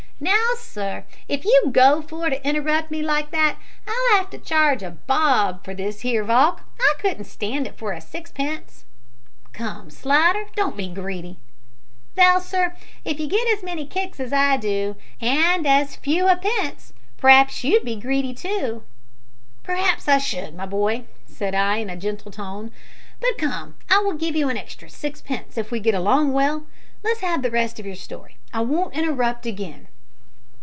"Now, sir, if you go for to interrupt me like that I'll 'ave to charge a bob for this here valk; I couldn't stand it for sixpence." "Come, Slidder, don't be greedy." "Vell, sir, if you got as many kicks as I do, and as few ha'pence, p'r'aps you'd be greedy too." "Perhaps I should, my boy," said I, in a gentle tone. "But come, I will give you an extra sixpence if we get along well. Let's have the rest of your story; I won't interrupt again."